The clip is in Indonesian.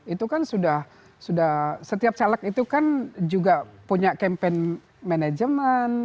itu kan sudah setiap caleg itu kan juga punya campaign manajemen